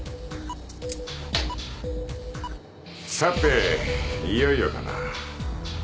さていよいよだな。